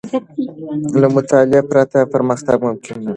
له مطالعې پرته، پرمختګ ممکن نه دی.